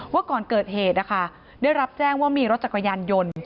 ว่าก่อนเกิดเหตุนะคะได้รับแจ้งว่ามีรถจักรยานยนต์